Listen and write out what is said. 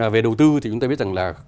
về đầu tư thì chúng ta biết rằng là